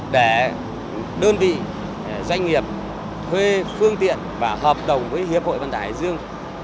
để đơn vị doanh nghiệp thuê phương tiện và hợp đồng với hiệp hội vận tải hải dương